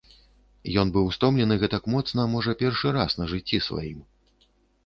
Ён быў стомлены гэтак моцна, можа, першы раз на жыцці сваім.